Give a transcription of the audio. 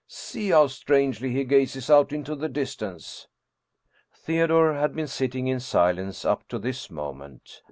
See how strangely he gazes out into the distance." Theodore had been sitting in silence up to this moment.